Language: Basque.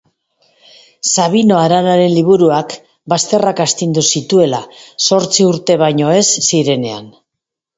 Sabino Aranaren liburuak bazterrak astindu zituela zortzi urte baino ez zirenean